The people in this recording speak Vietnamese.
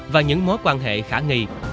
và những mối quan hệ khả nghi